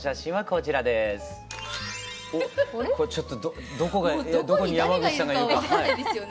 これちょっとどこに山口さんがいるか。